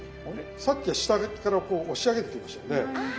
さっきは下からこう押し上げてきましたよね。